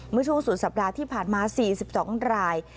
เมื่อช่วงสุดสัปดาห์ที่ผ่านมา๔๒ราย